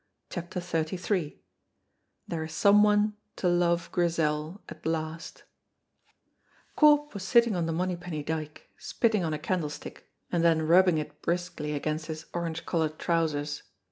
On they went. CHAPTER XXXIII THERE IS SOME ONE TO LOVE GRIZEL AT LAST Corp was sitting on the Monypenny dyke, spitting on a candlestick and then rubbing it briskly against his orange colored trousers.